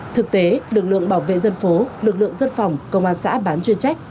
thực tế lực lượng bảo vệ dân phố lực lượng dân phòng công an xã bán chuyên trách